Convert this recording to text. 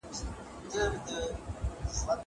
زه به پلان جوړ کړی وي.